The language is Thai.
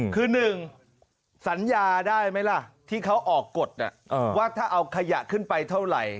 คือ๑สัญญาได้ไหมล่ะที่เขาออกกฎว่าถ้าเอาขยะขึ้นไปเท่าไหร่